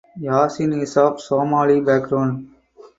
Yasin is of Somali background.